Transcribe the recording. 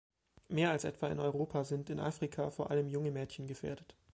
Mehr als etwa in Europa sind in Afrika vor allem junge Mädchen gefährdet.